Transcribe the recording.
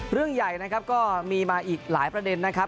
เรื่องใหญ่นะครับก็มีมาอีกหลายประเด็นนะครับ